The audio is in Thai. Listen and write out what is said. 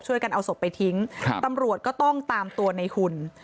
ช่วยกันเอาศพไปทิ้งครับตำรวจก็ต้องตามตัวในหุ่น